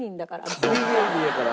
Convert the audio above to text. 旅芸人やから。